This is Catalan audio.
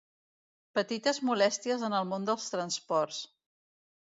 Petites molèsties en el món dels transports.